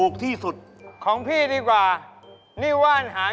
นี่ของข้าดีกว่า